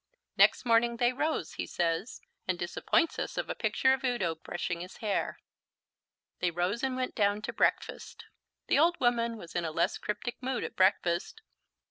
"Next morning they rose," he says, and disappoints us of a picture of Udo brushing his hair. They rose and went down to breakfast. The old woman was in a less cryptic mood at breakfast.